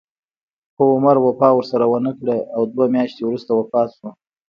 خو عمر وفا ورسره ونه کړه او دوه میاشتې وروسته وفات شو.